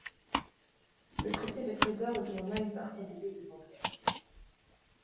Le traité de Bréda retourna une partie de l'île aux Anglais.